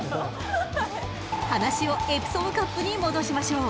［話をエプソムカップに戻しましょう！］